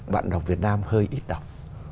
bạn đọc việt nam hơi ít đọc